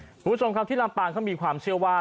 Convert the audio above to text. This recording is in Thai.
คุณผู้ชมครับที่ลำปางเขามีความเชื่อว่า